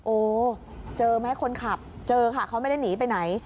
โอ้เจอไหมคนขับเจอค่ะเขาไม่ได้หนีไปไหน